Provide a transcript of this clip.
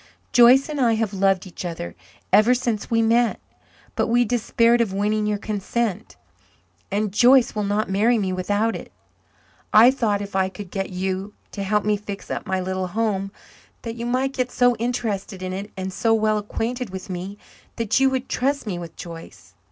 "Joyce and I have loved each other ever since we met. But we despaired of winning your consent, and Joyce will not marry me without it. I thought if I could get you to help me fix up my little home that you might get so interested in it and so well acquainted with me that you would trust me with Joyce.